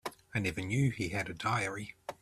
I never knew he had a diary.